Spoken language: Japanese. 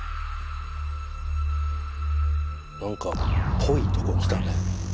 何かっぽいとこ来たね。